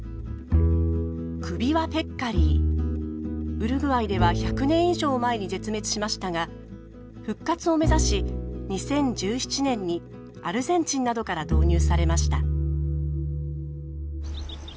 ウルグアイでは１００年以上前に絶滅しましたが復活を目指し２０１７年にアルゼンチンなどから導入されました。